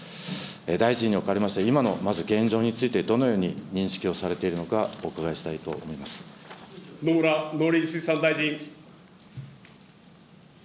大臣におかれましては、今のまず現状について、どのように認識をされているのか、お伺いしたいと野村農林水産大臣。